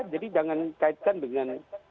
jadi jangan kaitkan dengan